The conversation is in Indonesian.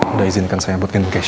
udah izinkan saya buat gantung keisha